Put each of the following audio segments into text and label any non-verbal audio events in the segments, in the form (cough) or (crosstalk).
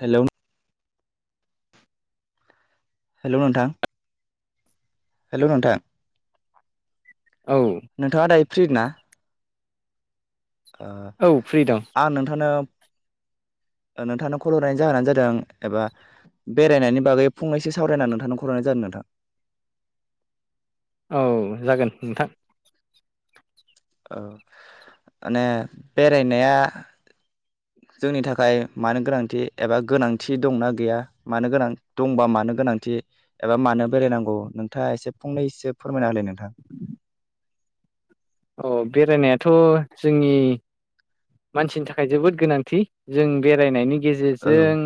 हेल'। (inaudible) हेल' नोंथां। हेल' नोंथां औ नोंथाङा दायो फ्रि ना? ओ औ फ्रि दं आं नोंथांनो। नोंथांनो खल' हरनायनि जाहोनानो जादों एबा। बेरायनायनि बागै फंनैसो सावरायना नोंथांनो खल हरनाय जादों नोंथां। औ जागोन नोंथां। औ माने बेरायनाया। जोंनि थाखाय मानो गोनांथि एबा गोनांथि दंना गैया मानो गोनां दंबा मानो गोनां। गोनांथि एबा मानो बेरायनांगौ नोंथाङा एसे फंनैसो फोरमायना होलाय नोंथां। अ बेरायनायाथ' जोंनि। मानसिनि थाखाय जोबोद गोनांथि जों बेरायनायनि औ गेजेरजों।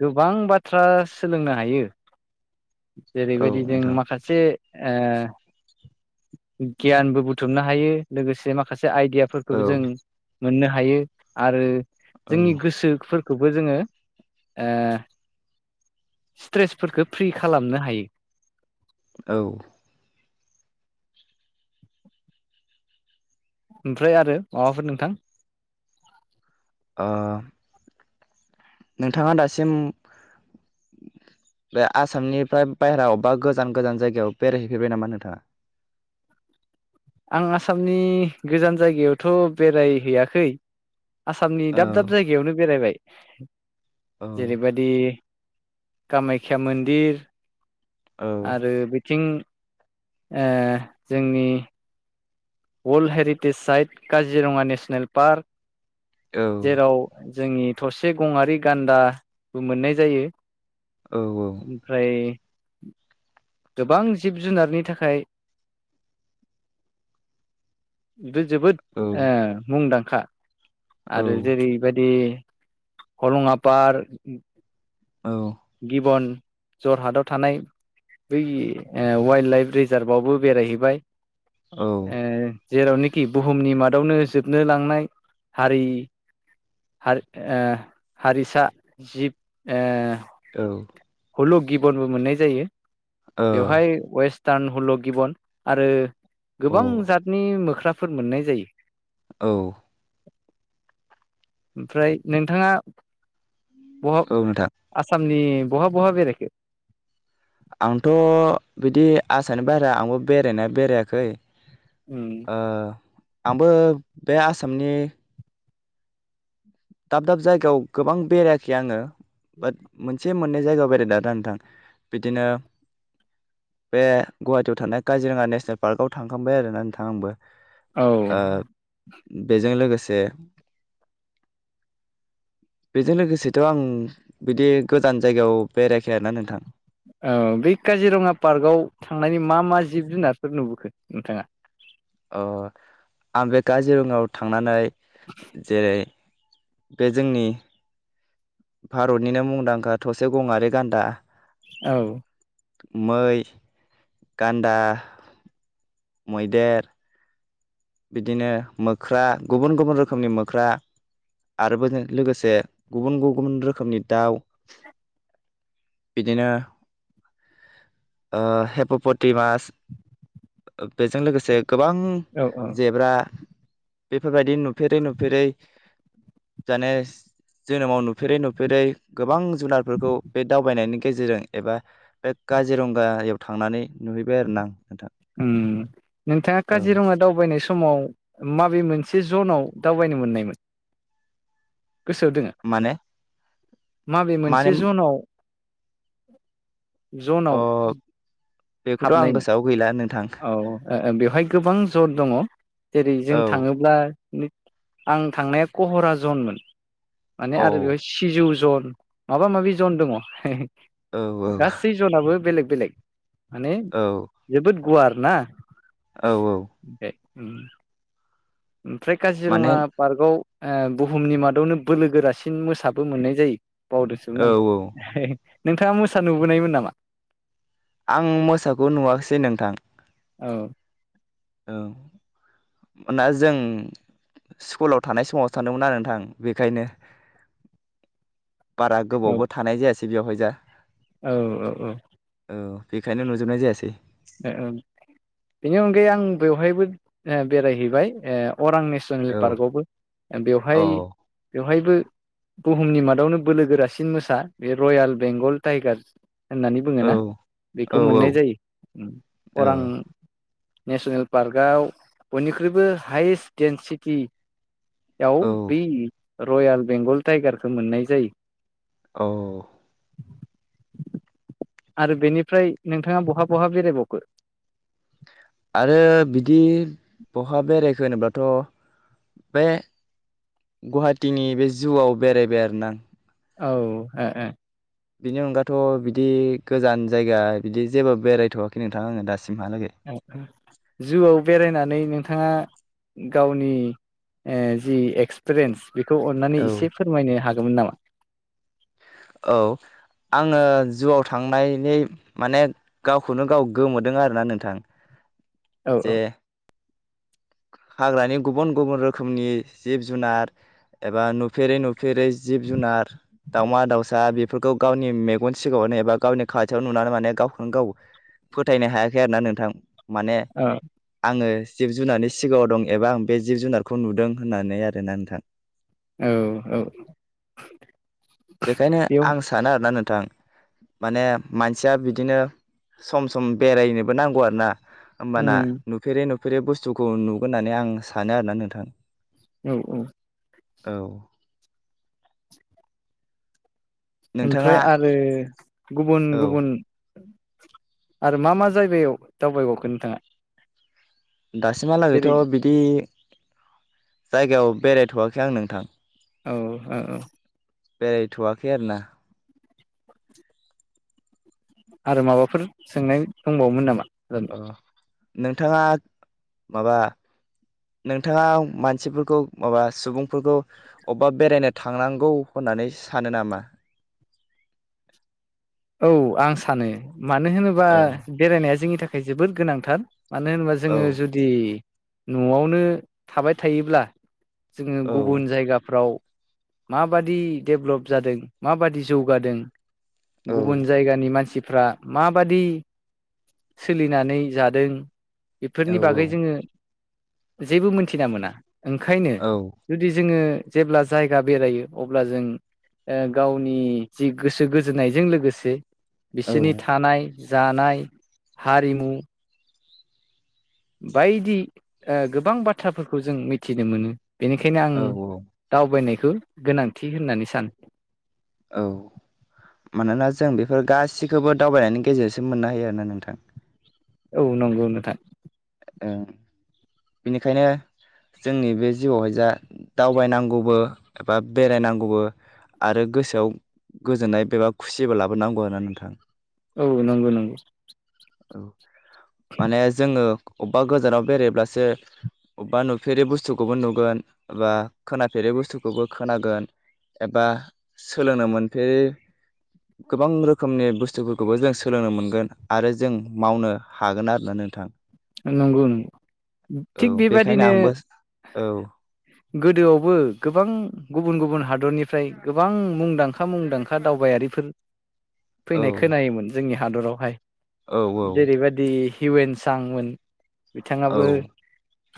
गोबां बाथ्रा सोलोंनो हायो। औ जेरैबायदि जों नोंथां माखासे ओ गियानबो बुथुमनो हायो लोगोसे माखासे। औ आइडियाफोरखौबो जों मोननो हायो आरो औ जोंनि गोसोफोर खौबो जोङो। ओ स्ट्रेसफोरखौ फ्रि खालामनो हायो। औ ओमफ्राय आरो माबाफोर नोंथां? ओ नोंथाङा दासिम। बे आसामनिफ्राय बायहेराव बा गोजान गोजान जायगायाव बेरायहैफैबाय नामा नोंथाङा? आं आसामनि गोजान जायगायावथ' बेरायहैयाखै। आसामनि औ दाब दाब जायगायावनो बेरायबाय जेरैबायाददि। कामायख्या मन्दिर। औ आरो बिथिं ओ जोंनि। World heritage site Kaziranga national park औ जेराव जोंनि थसे गंआरि गान्दाबो मोननाय जायो। औ ओमफ्राय गोबां जिब जुनारनि थाखाय। बे जोबोद ओ मुंदांखा आरो जेरैबायदि। हरुं आ पार्क। गिबन। जरहाटआव थानाय बै वाइल्ड लाइफ रिजार्भआवबो बेरायहैबाय। औ (unintelligible) जेरावनोखि बुहुमनि मादावनो जोबनो लांनाय हारि। हारि ओ हारिसाा जिब ओ औ हुलु गिबनबो मोननाय जायो बेवहाय औ वेस्टार्न हुलु गिबन आरो। औ गोबां जातनि मोख्राफोर मोननाय जायो। औ ओमफ्राय नोंथाङा बह नोंथां आसामनि बहा बहा बेराइखो आंथ' बिदि आसानि बाहेरा आंबो बेरायनाया बेरायाखै उम ओ आंबो बे आसामनि दाब दाब जायगायाव गोबां बेरायाखै आङो बाट मोनसे मोननै जायगायाव बेराय द दा नोंथां बिदिनो बे गुवाहाटियाव थानाय काजिरङा नेसनेल पार्कआव थांखांबाय आरोना नोंथां आंबो औ ओ बेजों लोगोसे (inaudible) बेजों लोगोसेथ' आं बिदि गोजान जायगायाव बेरायखाया ना नोंथां औ बे काजिरङा पार्कआव थांनायनि मा मा जिब जुनारफोर नुबोखो नोंथाङा अ आं बे काजिरङायाव थांनानै जेरै बे जोंनि भारतनिनो मुंदांखा थसे गङारि गान्दा औ मै गान्दा मैदेर बिदिनो मोख्रा गुबुन गुबुन रोखोमनि मोख्रा आरो बोजों लोगोसे गुबुन गुबुन रोखोमनि दाउ बिदिनो ओ हेप'पटि मास बेजों लोगोसे गोबां औ औ जेब्रा बेफोरबायदि नुफेरै नुफेरै जानेस जोनोमाव नुफेरै नुफेरै गोबां जुनारफोरखौ बे दावबायनायनि गेजेरजों एबा बे काजिरंगायाव थांनानै नुहैबाय आरो ना आं नोंथां उम नोंथाङा औ काजिरङा दावबायनाय सम, समाव माबे मोनसे जनाव दावबायनो मोननायमोन, गोसोआव दोङो, माने माबे माने मोनसे जनाव अ जनाव, बेखौथ' आं हाबनायमोन गोसोआव गैला, नोंथां औ ओ ओ बेवहाय गोबां जर दङ जेरै जों औ थाङोब्ला, आं थांनाया कहरा जनमोन माने औ आरो बेवहाय सिजौ ज'ल माबा माबि जन दङ हे औ गासै ज'नाबो बेलेग बेलेग, माने औ जोबोद गुवार ना औ औ बे, उम ओमफ्राय माने काजिरङा पार्कआव, ओ बुहुमनि मादावनो बोलो गोरासिन मोसाबो मोननाय जायो बावदोसोम औ आं औ हे, नोंथाङा मोसा नुबोनायमोन नामा? आं मोसाखौ नुवाखसै नोंथां, औ औ ओनबाना जों स्कुलाव थानाय समावसो सानदोंमोन आरो नोंथां बेखायनो, बारा गोबावबो थानाय जायासै बेवहाय जा, औ औ औ औ बेखायनो नुजोबनाय जायासै, ओ ओ बेनि अनगायै आं बेवहायबो बेरायहैबाय ओ अरां नेसनेल औ पार्क आवबो औ बेवहाय बेवहायबो, बुहुमनि मादावनो बोलो गोरासिन मोसा बे रयाल बेंगल टाइगार, होननानै बुङोना औ औ बेखौ मोननाय जायो औ अरां नेसनेल पार्कआव बयनिख्रुइबो हायेस्ट डेन्सिटि याव औ बै रयाल बेंगल टाइगारखौ मोननाय जायो। औ आरो बेनिफ्राय नोंथांङा बहा बहा बेरायबावखो? आरो बिदि बहा बेरायखो होनोब्लाथ' बे गुवाहाटिनि बे जुआव बेरायबाय आरोना, औ ओ ओ बिनि अनगाथ' बिदि गोजान जायगा बिदि जेबो बेरायथ'वाखै नोंथां आङो दासि ओ जुआव बेरायनानै नों थाङा गावनि ओ जि एक्सपिरियेन्स, बेखौ अननानै औ इसे फोरमायनो हागोमोन नामा? औ आंङो जुआव, थांनायहै माने गावखौनो गाव गोमोदों आरोना नोंथां। औ औ जे हाग्रानि गुबुन गुबुन रोखोमनि जिब जुनार, एबा नुफेरै नुफेरै जिब जुनार, दाउमा दाउसा बेफोरखौ गावनि मेगन सिगांङावनो एबा गावनि खाथियाव नुनानै माने गावखौनो गाव, फोथायनो हायाखै आरो ना नोंथां माने औ आंङो जिब जुनारनि, सिगाङाव दं एबा आं बे जिब जुनारखौ नुदों होननानै आरोना नोंथां, (inaudible) औ औ बेखायनो बेयाव आं सानो आरोना नोंथां, माने मानसिया बिदिनो सम सम बेरायनोबो नांगौ आरोना। होमबाना उम नुफेरै नुफेरै बुस्थुखौ नुगोन होननानै आं सानो आरो ना नोंथां, औ औ औ, ओमफ्राय नोंथाङा आरो गुबुन औ गुबुन, आरो मा मा जायगायाव दावबायबावखो नोंथाङा, जेरै दासिमहालागैथ' बिदि जायगायाव बेरायथ'वाखै आं नोंथां। औ औ औ। बेरायथ'वाखै आरो ना। आरो माबाफोर सोंनाय दंबावोमोन नामा? ओ नोंथाङा माबा नोंथाङा मानसिफोरखौ माबा सुबुंफोरखौ अबेबा बेरायनो थांनांगौ होन नानै सानो नामा? औ आं सानो मानो होनोबा औ बेरायनाया जोंनि थाखाय जोबोद गोनांथार। मानो होनोबा औ जोंङो जुदि न'आवनो थाबाय थायोब्ला जोंङो औ गुबुन जायगाफ्राव माबादि डेभ्लप जादों माबादि जौगादों औ गुबुन जायगानि मानसि फ्रा माबादि सोलिनानै जादों औ बेफोरनि बागै जोंङो जेबो मोनथिना मोना। ओंखायनो औ जुदि जोंङो जेब्ला जायगा बेरायो अब्ला जों ओ गावनि जि गोसो गोजोननाय जों लोगोसे औ बिसोरनि थानाय जानाय हारिमु बायदि ओ गोबां बाथ्राफोरखौ जों मिथिनो मोनो। बेनिखायनो आं औ औ दावबायनायखौ गोनांथि होननानै सानो। औ मानोना जों बे फोर गासिखौबो दावबायनायनि गेजेरजोंसो मोननो हायो आरोना नोंथां। औ नंगौ नोंथां। ओ बिनिखायनो जोंनि बे जिउआवहाय जा दावबायनांगौबो एबा बेरायनांगौबो आरो गोसोआव गोजोननाय बेबा खुसिबो लाबोनांगौ आरोना नोंथां। औ नंगौ नंगौ। औ माने जोंङो अबेबा गोजानाव बेरायब्लासो अबेबा नुफेरै बुस्थुखौबो नुगोन बा खोनाफेरै बुस्थुखौबो खोनागोन। एबा सोलोंनो मोनपेरि गोबां रोखोमनि बुस्थुफोरखौबो जों सोलोंनो मोनगोन आरो जों मावनो हागोन आरोना नों नोंथां। नंगौ नंगौ औ थिग बेखायनो बेबादिनो आंबो औ। गोदोआवबो गोबां गुबुन गुबुन हादरनिफ्राय गोबां मुंदांखा मुंदांखा दावबाय बाइआरिफोर औ फैनाय खोनायोमोन जोंनि हादरावहाय औ जेरैबायदि हिउवन सांमोन औ बिथाङाबो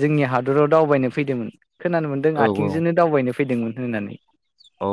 जोंनि हादराव दावबायनो फैदोंमोन। खोनानो मोन्दों औ औ आथिंजोंनो दावबायनो फैदोंमोन होननानै। औ।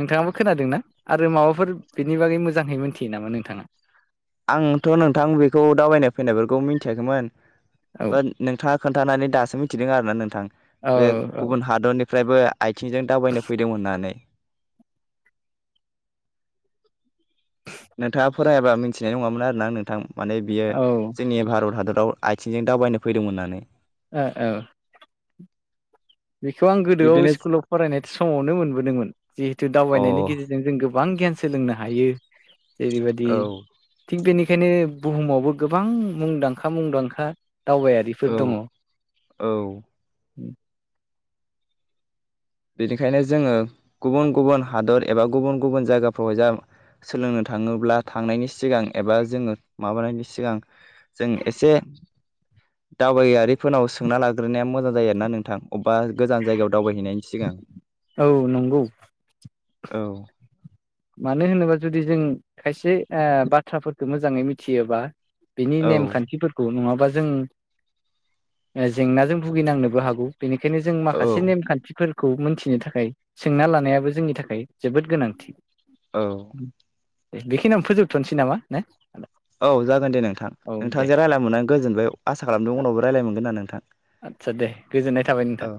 नोंथाङाबो खोनादोंना आरो माबाफोर बिनि बागै मोजांहै मोनथियो नामा नोंथाङा? आंथ' नोंथां बेखौ दावबायनाय फैनायफोरखौ मिथियाखैमोन औ बा नोंथाङा खोन्थानानै दासो मिथिदों आरोना नोंथां औ बे औ गुबुन हादरनिफ्रायबो आथिंजों दावबायनो फैदों होननानै। नोंथाङा फरायाबा मिथिनाय नङामोन आरोना नोंथां माने बियो ओ जोंनि भारत हादराव आइथिंजों दावबायनो फैदोंमोन होननानै। ओ औ। बेखौ आं गोदोआव बिब्दिनो स्कुलाव फरायनाय समावनो मोनबोदोंमोन जिहेतु अ औ दावबायनायनि गेजेरजों जों गो बां गियान सोलोंनो हायो जेरैबायदि थिग बेनिखायनो बुहुमावबो गोबां मुंदांखा मुंदांखा दावबायारिफोर औ दङ। औ बेनिखायनो जोङो गुबुन गुबुन हादर एबा गुबुन गुबुन जायगाफ्रावहाय जा सोलोंनो थाङोब्ला थांनायनि सिगां एबा जोङो माबानायनि सिगां जों एसे दावबायारिफोरनाव सोंना लाग्रोनाया मोजां जायो आरोना नोंथां अबेबा गोजान जायगायाव दावबायहैनायनि सिगां औ नंगौ औ मानो होनोबा जुदि जों खायसे ओ बाथ्राफोरखौ मोजाङै मिथियोबा बेनि औ नेमखान्थिफोरखौ नङा बा जों जेंनाजों भुगिनांनोबो हागौ बेनिखायनो जों माखासे औ नेमखान्थिफोर खौ मोनथिनो थाखाय सोंना लानायाबो जोंनि थाखाय जोबोद गोनांथि औ (unintelligible) बे खिनियावनो फोजोबथ'नोसै नामा ना औ जागोन दे नोंथां। औ नोंथां दे जों दे रायल्लाय मोननानै गोजोनबाय आसा खालामदों उनावबो रायज्लाय मोनगोन ना नोंथां आदसा दे गोजोननाय थाबाय नोंथां औ